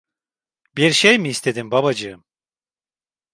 Bir şey mi istedin babacığım?